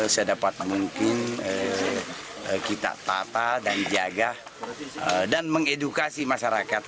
sedapat mungkin kita tata dan jaga dan mengedukasi masyarakat